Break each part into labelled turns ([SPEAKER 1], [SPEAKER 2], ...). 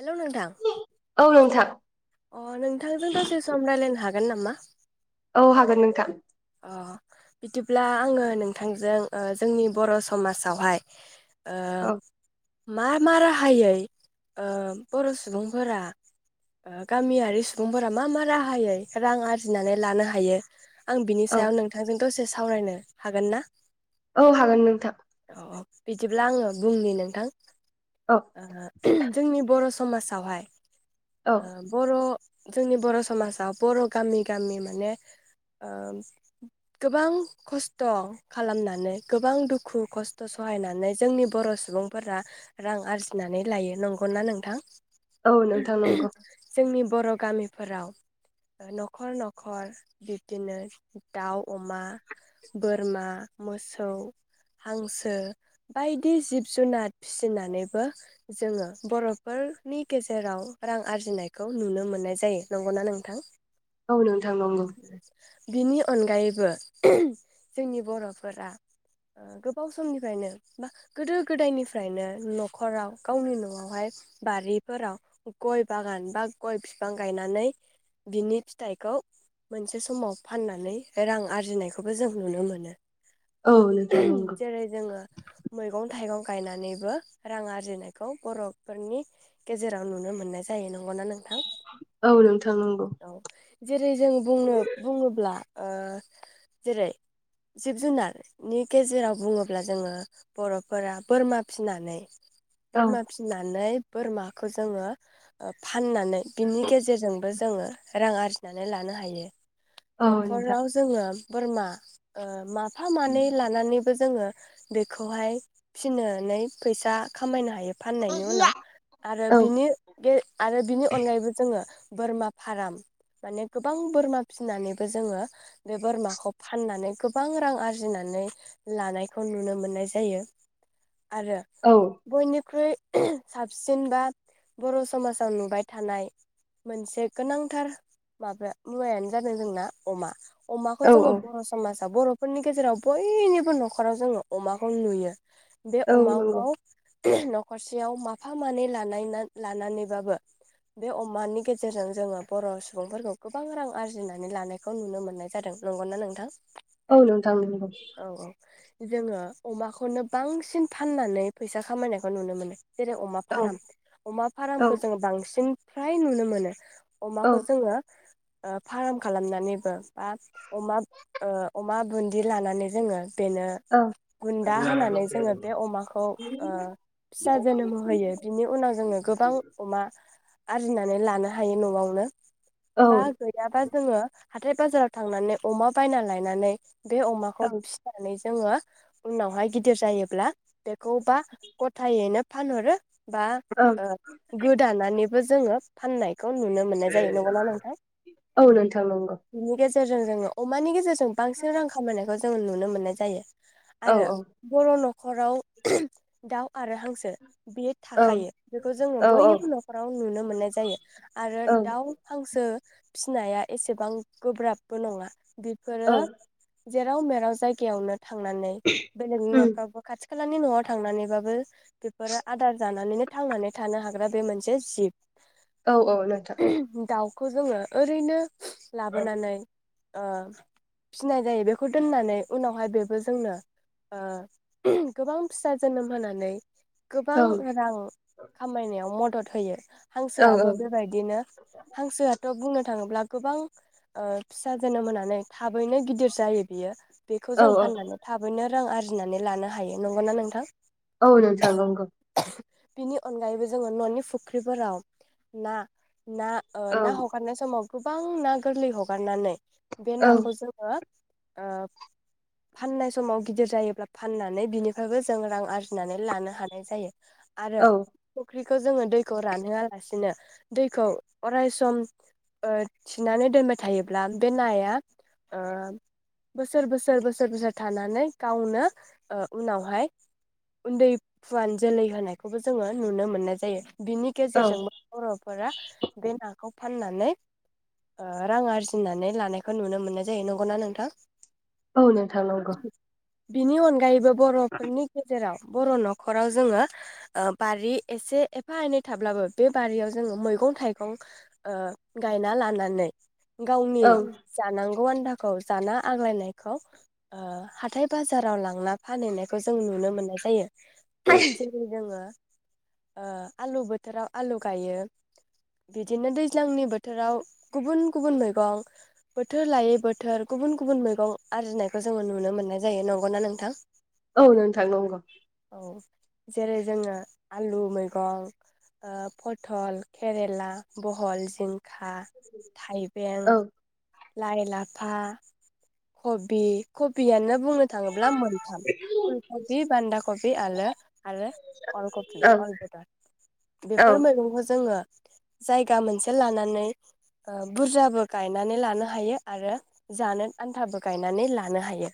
[SPEAKER 1] हेल' नोंथां।
[SPEAKER 2] बुं नोंथां।
[SPEAKER 1] अ नोंथांजों दसे सम रायज्लायनो हागोन? हागोन नामा?
[SPEAKER 2] औ हागोन नोंथां।
[SPEAKER 1] अ बिदिब्ला आङो नोंथांजों ओ जोंनि बर' समाजावहाय ओ
[SPEAKER 2] औ
[SPEAKER 1] मा मा राहायै ओ बर' सुबुंफोरा गामियारि सुबुंफोरा मा मा राहायै रां आरजिनानै लानो हायो। आं बि
[SPEAKER 2] औ
[SPEAKER 1] सायाव नोंथांजों दसे सावरायनो हागोन ना?
[SPEAKER 2] औ हागोन नोंथां।
[SPEAKER 1] अ बिदिब्ला आङो बुंनि नोंथां।
[SPEAKER 2] औ
[SPEAKER 1] ओ जोंनि बर' समाजावहाय
[SPEAKER 2] औ
[SPEAKER 1] ओ बर' जोंनि बर' समाजाव बर' गामि गामि माने ओ गोबां खस्थ' खालामनानै गोबां दुखु खस्थ' सहायनानै जोंनि बर' सुबुंफोरा रां आरजिनानै लायो। नंगौना नोंथां?
[SPEAKER 2] औ नोंथां नंगौ।
[SPEAKER 1] जोंनि बर' गामिफोराव ओ न'खर न'खर बिब्दिनो दाउ, अमा, बोरमा, मोसौ, हांसो बाइदि जिब जुनार फिसिनानैबो जोङो बर'फोरनि गेजेराव रां आरजिनायखौ नुनो मोननाय जायो। नंगौना नोंथां?
[SPEAKER 2] औ नोंथां नंगौ।
[SPEAKER 1] बिनि अनगायैबो जोंनि बर'फोरा ओ गोबाव समनिफ्रायनो बा गोदो गोदायनिफ्रायनो न'खराव गावनि न'आवहाय बारिफोराव गय बागान बा गय बिफां गायनानै बिनि फिथाइखौ मोनसे समाव फाननानै रां आरजिनायखौबो जों नुनो मोनो।
[SPEAKER 2] औ नोंथां नंगौ
[SPEAKER 1] जेरै जोङो मैगं थाइगं गायनानैबो रां आरजिनायखौ बर'फोरनि गेजेराव नुनो मोननाय जायो। नंगौना नों?
[SPEAKER 2] औ नोंथां नंगौ
[SPEAKER 1] औ जेरै जों बुंनो अब्ला ओ जेरै जिब जुनारनि गेजेराव बुङोब्ला जोङो बर'फोरा बोरमा फिनानै
[SPEAKER 2] औ
[SPEAKER 1] बोरमा फिसिनानै। बोरमाखौ जोङो फाननानै बिनि गेजेरजोंबो जोङो रां आर जिनानै लानो हायो ।
[SPEAKER 2] औ नोंथां
[SPEAKER 1] न'खराव जोङो । बोरमा ओ मा फा मानै लानानै जोङो बेखौहाय फिनोनै फैसा खामायनो हायो फाननायनि उनाव आरो
[SPEAKER 2] औ
[SPEAKER 1] बिनि गे आरो बिनि अनगायैबो जोङो । बोरमा फाराम माने गोबां बोरमा फिनानैबो जोङो बे बोरमाखौ फाननानै गोबां रां आरजिनानै लानायखौ नुनो मोननाय जायो। आरो
[SPEAKER 2] औ
[SPEAKER 1] बयनिख्रुइ साबसिन बा बर' समाजाव नुबाय थानाय मोनसे गोनांथार माबा मुवायानो जानो जोंना अमा। अमाखौ
[SPEAKER 2] औ
[SPEAKER 1] जोङो
[SPEAKER 2] औ
[SPEAKER 1] बर' समाज दा बर'फोरनि गेजेराव बयनिबो न'खराव जोङो अमाखौ नुयो। बे
[SPEAKER 2] औ नंगौ
[SPEAKER 1] अमाखौ न'खरसेयाव माफा मानै लानायना लानानैबाबो बे अमानि गेजेरजों जोङो बर' सुबुंफोरखौ गोबां रां आरजि जिनानै लानायखौ नुनो मोननाय जादों नंगौना नोंथां?
[SPEAKER 2] औ नोंथां नोंगौ।
[SPEAKER 1] औ जोङो अमाखौनो बांसिन फाननानै फैसा खामायनायखौ नुनो मोनो। जेरै अमा
[SPEAKER 2] औ
[SPEAKER 1] फाराम
[SPEAKER 2] औ
[SPEAKER 1] अमा फारामखौ
[SPEAKER 2] औ
[SPEAKER 1] जोङो बांसिन फ्राय नुनो मोनो
[SPEAKER 2] औ
[SPEAKER 1] अमाखौ जोङो आफ फार्म खालामनानैबो बा अमा ओ अमा बुन्दि लानानै जोङो बेनो बुन्दा होनानै जोङो बे अमाखौ ओ फिसा जोनोम होहोयो बिनि उनाव जोङो गोबां अमा आरजिनानै लानो हायो न'आवनो।
[SPEAKER 2] औ
[SPEAKER 1] बा गैयाबा जोङो हाथाय बाजाराव थांनानै अमा बायना लायनानै बे अमाखौ
[SPEAKER 2] औ
[SPEAKER 1] फिसिनानै जोङो उनावहाय गिदिर जायोब्ला बेखौबा गथायैनो फानहरो बा
[SPEAKER 2] औ
[SPEAKER 1] ओ गोदानानैबो जोङो फाननाय खौ नुनो मोननाय जायो नंगौना नोंथां?
[SPEAKER 2] औ नोंथां नंगौ।
[SPEAKER 1] बिनि गेजेरजों जोङो अमानि गेजेरजों बांसिन रां खामायनायखौ जों नुनो मोननाय जायो।
[SPEAKER 2] औ
[SPEAKER 1] आरो
[SPEAKER 2] औ
[SPEAKER 1] बर' न'खर नखराव दाउ आरो हांसो बे थाखायो
[SPEAKER 2] औ
[SPEAKER 1] बेखौ जोङो
[SPEAKER 2] औ
[SPEAKER 1] बयनिबो न'खराव नुनो मोननाय जायो आरो
[SPEAKER 2] औ
[SPEAKER 1] दाउ हांसो फिसिनाया एसेबां गोब्राबबो नङा बिफोरो
[SPEAKER 2] औ
[SPEAKER 1] जेराव मेराव जायगायावनो थांनानै बेलेगनि
[SPEAKER 2] उम
[SPEAKER 1] न'फ्रावबो खाथि थि खालानि न'आव थांनानैबाबो बेफोरो आदार जानानैनो थांनानै थानो हाग्रा बे मोनसे जिब
[SPEAKER 2] औ औ नोंथां
[SPEAKER 1] खौ जोङो ओरैनो लाबोनानै ओ फिनाय जायो बेखौ दोननानै उनावहाय बेबो जोंनो ओ गोबां फिसा जोनोम होनानै गोबां
[SPEAKER 2] औ औ औ
[SPEAKER 1] रां खामायनायाव मदद मदद होयो हांसोआबो बेबायदिनो हांसोआथ' बुंनो नो थाङोब्ला ओ गोबां फिसा जोनोम होनानै थाबैनो गिदिर जायो बियो
[SPEAKER 2] औ
[SPEAKER 1] बेखौ जों फाननानै थाबैनो रां आरजिनानै लानो हायो नंगौना नोंथां
[SPEAKER 2] औ नोंथां नंगौ
[SPEAKER 1] बेनि अनगायैबो जोङो न'नि फुख्रिफोराव ना ना
[SPEAKER 2] औ
[SPEAKER 1] ना हगारनो समाव गोबां ना गोरलै हगारनानै बे नाखौ
[SPEAKER 2] औ
[SPEAKER 1] जोङो ओ फाननाय समाव गिदिर जायोब्ला फाननानै बिनिफ्रायबो जों रां आरजिनानै लानो हानाय जायो
[SPEAKER 2] औ
[SPEAKER 1] आरो ख्रिखौ जोङो दैखौ रानहोआलासिनो दैखौ अराय सम ओ थिनानै दोनबाय थायोब्ला बे नाया ओ बोसोर बोसोर बोसोर बोसोर थानानै गावनो ओ उनावहाय उन्दै फुवान जोलै होनायखौबो जोङो नुनो मोननाय जायो। बिनि
[SPEAKER 2] औ
[SPEAKER 1] गेजेरजोंबो बर'फोरा बे नाखौ फाननानै ओ रां आरजिनानै लानायखौ नुनो मोननाय जायो नंगौना नोंथां?
[SPEAKER 2] औ नोंथां नोंगौ।
[SPEAKER 1] बिनि अनगायैबो बर'फोरनि गेजेराव बर' न'खराव जोङो ओ बारि एसे एफा एनै थाब्लाबो बे बारियाव जोङो मैगं थाइगं ओ गायना लानै गावनि
[SPEAKER 2] औ
[SPEAKER 1] जानां गौ आन्दाखौ जाना आग्लायनायखौ ओ हाथाय बाजाराव लांना फानहैनाय खौ जों नुनो मोननाय जायो। जेरै जोङो ओ आलु बोथोराव आलु गायो बिदिनो दैज्लांनि बोथ थोराव गुबुन गुबुन मैगं बोथोर लायै बोथोर गुबुन गुबुन मैगं आरजिनायखौ जोङो नुनो मोननाय जायो नंगौना नोंथां?
[SPEAKER 2] औ नोंथां नंगौ।
[SPEAKER 1] औ जेरै जोङो आलु मैगं ओ पथल केरेला बहल जिं खा थाइबें
[SPEAKER 2] औ
[SPEAKER 1] लाइ लाफा कबि कबियानो बुंनो थाङोब्ला मोनथाम फुलकबि बान्दा कबि आलो आरो अलकबि
[SPEAKER 2] औ
[SPEAKER 1] अल बेदार
[SPEAKER 2] औ
[SPEAKER 1] बेफोर मैगंखौ जोङो जायगा मोनसे लाना नै ओ बुरजाबो गायनानै लानो हायो। आरो जानो आन्थाबो गायनानै लानो हायो।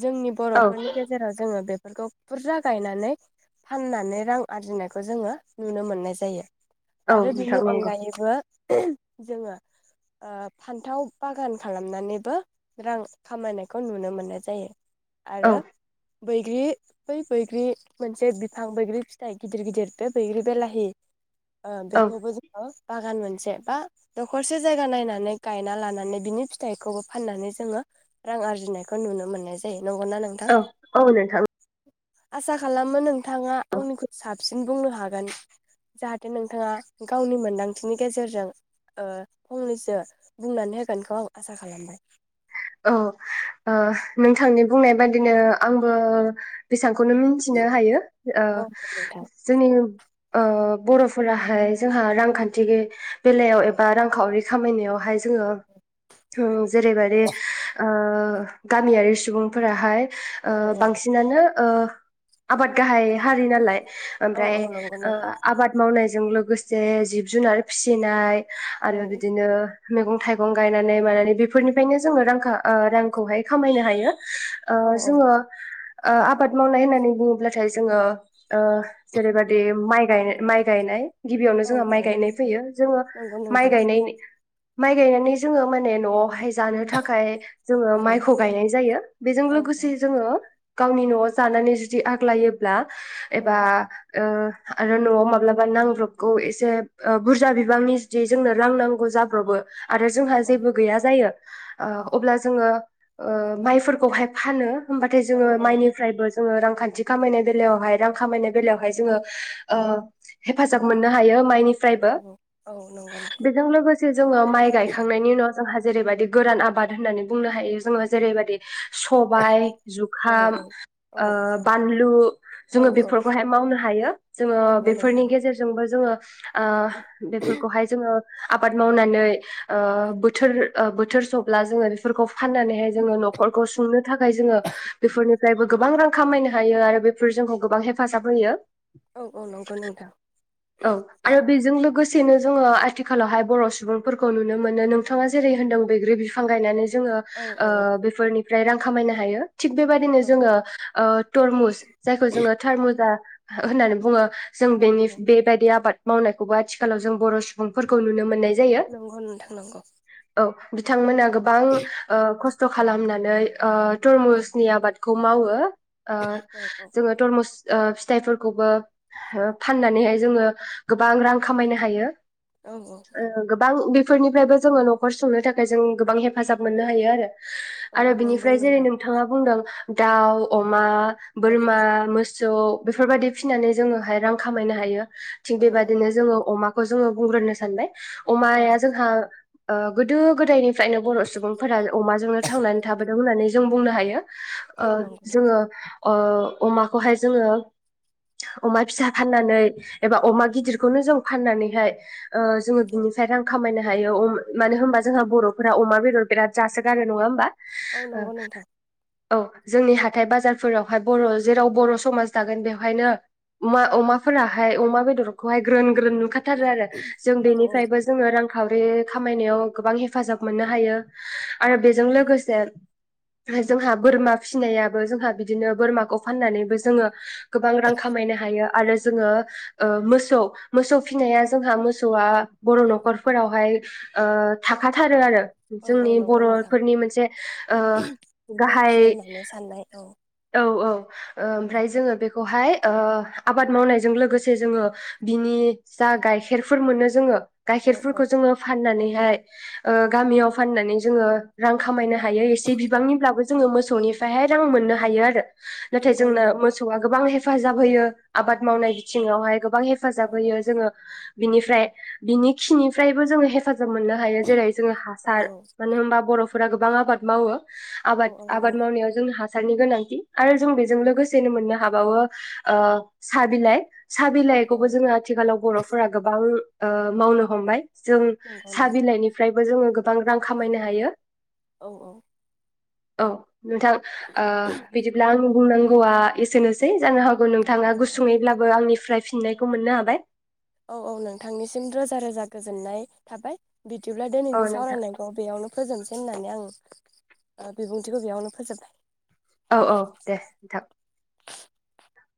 [SPEAKER 1] जोंनि
[SPEAKER 2] औ
[SPEAKER 1] बर'फोरनि गेजेराव जोङो बे फोरखौ बुरजा गायनानै फाननानै रां आरजिनायखौ जोङो नुनो मोननाय जायो।
[SPEAKER 2] औ
[SPEAKER 1] आरो बिनि
[SPEAKER 2] नोंथां नंगौ
[SPEAKER 1] अनगायैबो जोङो ओ फान्थाव बागान खालामनानैबो रां खामायनायखौ नुनो मोननाय जायो।
[SPEAKER 2] औ
[SPEAKER 1] आरो बैग्रि बै बैग्रि मोनसे बिफां बैग्रि फिथाइ गिदिर गिदिर बे बैग्रि बे लाहि ओ
[SPEAKER 2] औ
[SPEAKER 1] बेखौबो जोंङो बागान मोन से बा दखरसे जायगा नायनानै गायना लानानै बिनि फिथाइखौबो फाननानै जोङो रां आरजिनायखौ नुनो मोननाय जायो। नंगौना नोंथां
[SPEAKER 2] औ औ नोंथां।
[SPEAKER 1] आसा खालामो नोंथाङा आंनिखौ साबसिन बुंनो हागोन? जाहाथे नोंथाङा गावनि मोन्दांथिनि गेजेरजों ओ फंनैसो बुंनानै होगोनखौ आं आसा खालामबाय।
[SPEAKER 2] औ ओ नोंथांनि बुंनाय बादिनो आंबो बेसां खौनो मिथिनो हायो ओ
[SPEAKER 1] औ नोंथां
[SPEAKER 2] जोंनि ओ बर'फोराहाय जोंहा रांखान्थि बेलायाव एबा रांखावरि खामायनायावहाय जोङो [unintelligible] बे ओ ओ गामियारि सुबुंफोराहाय ओ
[SPEAKER 1] औ औ
[SPEAKER 2] बांसिनानो ओ आबाद गाहाय हारि नालाय
[SPEAKER 1] औ
[SPEAKER 2] ओमफाय
[SPEAKER 1] औ नंगौ
[SPEAKER 2] ओ
[SPEAKER 1] नोंथां
[SPEAKER 2] आबाद मावनाय जों लोगोसे जिब जुनार फिसिनाय
[SPEAKER 1] औ
[SPEAKER 2] आरो बिदिनो। मैगं थाइगं गायनानै मानानै बेफोरनि। बेखायनो जोङो रांखो ओ रांखौहाय खामायनो हायो । ओ
[SPEAKER 1] औ औ
[SPEAKER 2] जोङो ओ आबाद मावनाय होननानै बुङोब्लाथाय जोङो। ओ जेरैबादि माइ। ग माइ गायनाय। गिबियावनो
[SPEAKER 1] औ
[SPEAKER 2] जोंहा माइ
[SPEAKER 1] औ
[SPEAKER 2] गायनाय फैयो जोङो
[SPEAKER 1] नंगौ
[SPEAKER 2] माइ
[SPEAKER 1] नोंथां
[SPEAKER 2] गाय माइ गायनानै जोङो माने न'आवहाय। जानो थाखाय जोङो
[SPEAKER 1] औ
[SPEAKER 2] माइखौ गायनाय जायो बेजों
[SPEAKER 1] औ
[SPEAKER 2] लोगोसे जोङो गावनि न'आव जानानै जुदि आग्लायोब्ला।
[SPEAKER 1] औ
[SPEAKER 2] एबा ओ। आरो न'आव माब्लाबा नांग्रब। गौ एसे ओ बुरजा बिबांनि जुदि जोंनो रां नांगौ जाब्रबो आरो
[SPEAKER 1] औ
[SPEAKER 2] जोंहा
[SPEAKER 1] औ
[SPEAKER 2] जेबो गैया जायो। ओ अब्ला जों ओ ओ माइफोरखौहाय फानो। होमबाथाय
[SPEAKER 1] औ
[SPEAKER 2] जोङो माइनिफ्रायबो जोङो रांखान्थि खामायनाय बेलायावहाय रां खामायनाय बेलायावहाय जोङो ओ हेफाजाब मोननो हायो माइनि बो
[SPEAKER 1] औ औ नंगौ नंगौ
[SPEAKER 2] बेजों लोगोसे जोङो माइ गायखांनायनि उनाव हाजिरै बायदि गोरान आबाद होननानै बुंनो हायो जोङो जेरैबायदि सबायाइ
[SPEAKER 1] औ
[SPEAKER 2] जुखाम
[SPEAKER 1] औ
[SPEAKER 2] ओ बानलु जोङो
[SPEAKER 1] औ औ
[SPEAKER 2] बेफोरखौहाय मावनो हायो जोङो
[SPEAKER 1] नंगौ
[SPEAKER 2] बेफोरनि
[SPEAKER 1] नोंथां
[SPEAKER 2] गेजेरजोंबो जोङो आ बेफोरखौहाय जोङो आबाद मावनानै ओ बोथोर ओ बोथोर सब्ला जोङो बेफोरखौ फाननानैहाय जोङो न'खरखौ सुंनो थाखाय जोङो बेफोरनिफ्रायबो गोबां रां खामायनो हायो आरो बेफोर जोंखौ गोबां हेफाजाब होयो।
[SPEAKER 1] औ औ नंगौ नोंथां
[SPEAKER 2] औ आरो बेजों लोगोसे गोसेनो जोङो आथिखालावहाय बर' सुबुंफोरखौ नुनो मोनो नोंथाङा जेरै होनदों बैग्रि बिफां गायनानै जोङो
[SPEAKER 1] औ
[SPEAKER 2] ओ बेफोरनि ओमफ्राय रां खामायनो हायो। थिग बेबायदिनो
[SPEAKER 1] औ
[SPEAKER 2] जोङो ओ थरमुस जायखौ जोङो थारमुजा हो होननानै बुङो। जों
[SPEAKER 1] औ
[SPEAKER 2] बेनि
[SPEAKER 1] औ
[SPEAKER 2] बे बायदि आबाद मावनायखौबो आथिखालाव जों बर' सुबुंफोरखौ नुनो मोननाय जायो
[SPEAKER 1] नंगौ नोंथां नंगौ।
[SPEAKER 2] औ बिथांमोना गोबां ओ खस्थ खस्थ' खालामनानै ओ
[SPEAKER 1] औ
[SPEAKER 2] तरमुसनि आबाद खौ मावो। ओ
[SPEAKER 1] औ औ
[SPEAKER 2] जोङो टरमुस ओ फिथाइफोरखौबो ओ फाननानैहाय जोङो गोबां रां खामायनो हायो।
[SPEAKER 1] औ औ
[SPEAKER 2] बां बेफोरनिफ्रायबो जोङो न'खर सुंनो थाखाय खाय जों गोबां हेफाजाब मोननो हायो आरो।
[SPEAKER 1] औ
[SPEAKER 2] आरो
[SPEAKER 1] नंगौ
[SPEAKER 2] बिनिफ्राय जेरै
[SPEAKER 1] नोंथां
[SPEAKER 2] नोंथाङा बुंदों दाउ, अमा
[SPEAKER 1] औ
[SPEAKER 2] बोरमा, मोसौ सौ बेफोरबायादि फिनानै जोङोहाय रां खामायनो हायो। थिग
[SPEAKER 1] औ
[SPEAKER 2] बेबायदिनो जोङो अमा जोङो बुंग्रोनो सानबाय
[SPEAKER 1] औ
[SPEAKER 2] अमाया जोंहा ओ गोदो गोदोनिफ्रायनो बर' सुबुंफोरा अमाजोंनो थांनानै थाबोदों होननानै जों बुंनो हायो।
[SPEAKER 1] औ
[SPEAKER 2] ओ
[SPEAKER 1] नंगौ नोंथां
[SPEAKER 2] जोङो ओ अमाखौहाय जोङो अमा फिसा फाननानै एबा अमा गिदिरखौनो जों फाननानै फाय [inaudible] ओ
[SPEAKER 1] औ
[SPEAKER 2] जोङो
[SPEAKER 1] औ
[SPEAKER 2] बिनिफ्राय रां खामायनो हायो अम मानो होमबा जोंहा बर'फोरा अमा बेदर बेराद जासोगारो नङा होमबा?
[SPEAKER 1] औ नंगौ नोंथां
[SPEAKER 2] औ जोंनि हाथाय बाजारफोरावहाय बर' जेराव बर' समाज दागोन बेवहायनो अमा अमाफोराहाय अमा बेदरखौहाय ग्रोन ग्रोम नुखाथारो आरो जों
[SPEAKER 1] औ औ
[SPEAKER 2] बेनिफ्राय जबो जोङो रां खावरि खामायनायाव गोबां हेफाजाब मोननो हायो आरो बेजों
[SPEAKER 1] औ
[SPEAKER 2] लोगोसे जोंहा बोरमा फिसिनायाबो जोंहा बिदिनो बोरमाखौ फाननानैबो जोङो गोबां रां खामायनो हायो आरो जोङो ओ मोसौ मोसौ फिनाया जोंहा मोसौआ बर' न'खरफोरावहाय ओ थाखाथारो आरो
[SPEAKER 1] औ औ
[SPEAKER 2] जोंनि
[SPEAKER 1] नंगौ नोंथां
[SPEAKER 2] बर'फोरनि मोनसे ओ गाहाय
[SPEAKER 1] लखि होननानै साननाय औ
[SPEAKER 2] औ औ ओ
[SPEAKER 1] औ
[SPEAKER 2] ओमफ्राय जोंड़ो बेख खौहाय ओ आबाद मावनायजों लोगोसे जोङो बिनि जा गाइखेरफोर मोनो जोङो
[SPEAKER 1] औ औ
[SPEAKER 2] गाइखेरफोरखौ जोङो फाननानै हाय ओ गामियाव
[SPEAKER 1] औ
[SPEAKER 2] फाननानै जोङो रां खामायनो हायो एसे बिबांनिब्लाबो जोङो मोसौनिफ्रायहाय रां मोननो हायो आरो नाथाय
[SPEAKER 1] नंगौ
[SPEAKER 2] जोंनो
[SPEAKER 1] नोंथां
[SPEAKER 2] मोसौआ गोबां हेफ हेफाजाब होयो आबाद मावनाय
[SPEAKER 1] औ औ
[SPEAKER 2] बिथिंआवहाय गोबां
[SPEAKER 1] औ
[SPEAKER 2] हेफाजाब होयो जोङो बिनिफ्राय बिनि खिनिफ्रायबो जोङो हेफा हेफाजाब मोननो हायो जेरै जोंडो हासार मानो होमबा बर'फ फोरा गोबां आबाद मावो
[SPEAKER 1] औ
[SPEAKER 2] आबाद
[SPEAKER 1] औ
[SPEAKER 2] आबाद
[SPEAKER 1] नंगौ
[SPEAKER 2] मावनायाव जोंहा हासारनि गोनांथि आरो जों बेजों
[SPEAKER 1] नंगौ
[SPEAKER 2] लोगोसेनो मोननो हाब बावो ओ साबिलाय
[SPEAKER 1] औ औ
[SPEAKER 2] साबिलाइखौबो जोङो आथिखालाव बर'फोरा गोबां ओ मावनो हमबाय जों
[SPEAKER 1] नंगौ
[SPEAKER 2] साहा
[SPEAKER 1] नंगौ
[SPEAKER 2] बिलाइनि जोङो गोबां रां खामायनो हायो
[SPEAKER 1] औ औ
[SPEAKER 2] औ नोंथां ओ बिदिब्ला आंनि बुंनांगौआ एसेनोसै जानो हागौ नोंथाङा
[SPEAKER 1] औ
[SPEAKER 2] गुसुङैब्लाबो आंनि फ्राय फिननायखौ मोननो हाबाय
[SPEAKER 1] औ औ नोंथांनिसिम रोजा रोजा गोजोननाय थाबाय बिदिब्ला
[SPEAKER 2] औ
[SPEAKER 1] दिनैनि
[SPEAKER 2] नोंथां
[SPEAKER 1] सावरायनांगौ बेयावनो फोजोबनोसै होननानै आं ओ बिबुंथिखौ बेयावनो फोजोबबाय
[SPEAKER 2] औ औ दे नोंथां